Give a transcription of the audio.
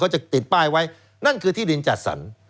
จะติดป้ายไว้นั่นคือที่ดินจัดสรร